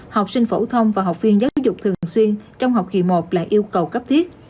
học sinh phổ thông và học viên giáo dục thường xuyên trong học kỳ một là yêu cầu cấp thiết